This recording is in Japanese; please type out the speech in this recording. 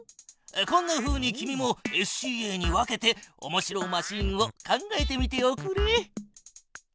こんなふうに君もＳＣＡに分けておもしろマシーンを考えてみておくれ。